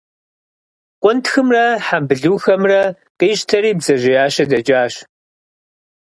Къунтхымрэ хьэмбылухэмрэ къищтэри, бдзэжьеящэ дэкӏащ.